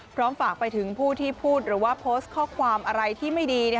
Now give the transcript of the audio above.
ฝากไปถึงผู้ที่พูดหรือว่าโพสต์ข้อความอะไรที่ไม่ดี